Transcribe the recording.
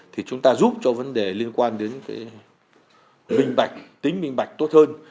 thì chúng ta giúp cho vấn đề liên quan đến cái tính minh bạch tốt hơn